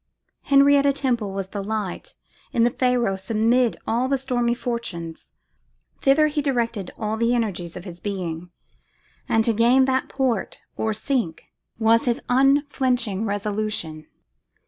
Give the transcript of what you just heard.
Henrietta Temple was the light in the pharos amid all his stormy fortunes; thither he directed all the energies of his being; and to gain that port, or sink, was his unflinching resolution.